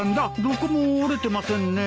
どこも折れてませんね。